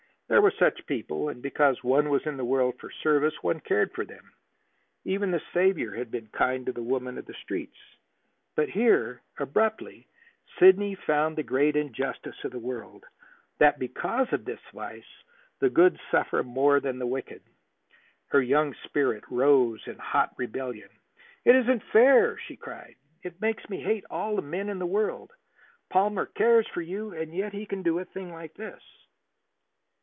There were such people, and because one was in the world for service one cared for them. Even the Saviour had been kind to the woman of the streets. But here abruptly Sidney found the great injustice of the world that because of this vice the good suffer more than the wicked. Her young spirit rose in hot rebellion. "It isn't fair!" she cried. "It makes me hate all the men in the world. Palmer cares for you, and yet he can do a thing like this!"